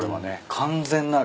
完全なる。